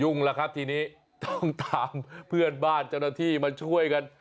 แล้วครับทีนี้ต้องตามเพื่อนบ้านเจ้าหน้าที่มาช่วยกัน